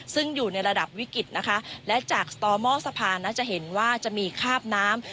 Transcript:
ซึ่งอยู่ในระดับวิกฤตนะคะและจากสต่อหม้อสะพานนะจะเห็นว่าจะมีคาบน้ำ